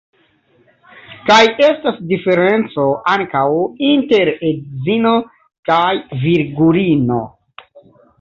Kaj estas diferenco ankaŭ inter edzino kaj virgulino.